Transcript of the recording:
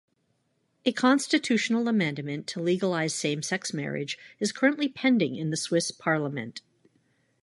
A constitutional amendment to legalize same-sex marriage is currently pending in the Swiss Parliament.